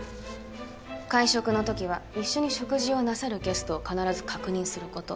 会食の時は一緒に食事をなさるゲストを必ず確認すること。